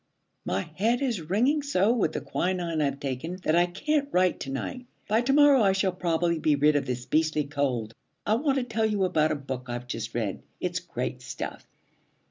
'My head is ringing so with the quinine I've taken that I can't write to night. By to morrow I shall probably be rid of this beastly cold. I want to tell you about a book I've just read. It's great stuff.'